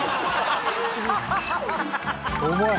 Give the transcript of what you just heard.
重い。